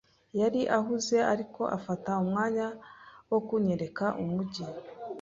Yari ahuze, ariko afata umwanya wo kunyereka umujyi.